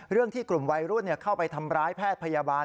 เรื่องที่กลุ่มวัยรุ่นเข้าไปทำร้ายแพทย์พยาบาล